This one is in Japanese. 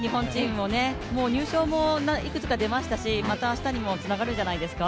もう入賞もいくつか出ましたしまた明日にもつながるんじゃないですか。